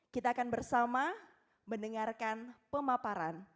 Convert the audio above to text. kita akan bersama mendengarkan pemaparan